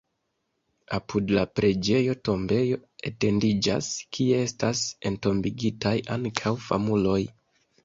Apud la preĝejo tombejo etendiĝas, kie estas entombigitaj ankaŭ famuloj.